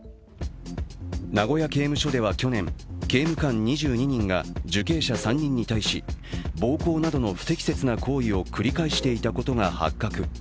名古屋刑務所では去年、刑務官２２人が受刑者３人に対し暴行などの不適切な行為を繰り返していたことが発覚。